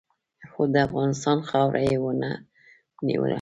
خو د افغانستان خاوره یې و نه نیوله.